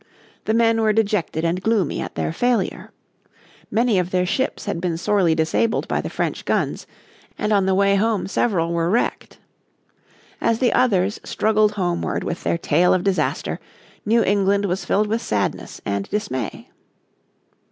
The men were dejected and gloomy at their failure. Many of their ships had been sorely disabled by the French guns, and on the way home several were wrecked. As the others struggled homeward with their tale of disaster, New England was filled with sadness and dismay.